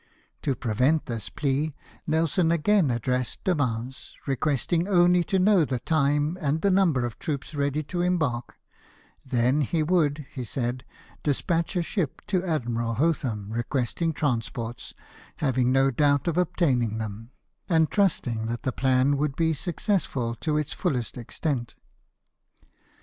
To prevent this plea Nelson again addressed De Yins, requesting only to know the time, and the number of troops ready to embark, then he would, he said, despatch a ship to Admiral Hotham, request ing transports, having no doubt of obtaining them, and trusting that the plan would be successful to its fullest extent.